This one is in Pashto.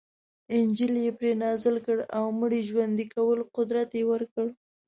انجیل یې پرې نازل کړ او مړي ژوندي کولو قدرت یې ورکړ.